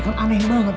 kan aneh banget